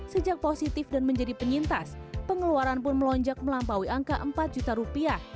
sejak positif dan menjadi penyintas pengeluaran pun melonjak melampaui angka empat juta rupiah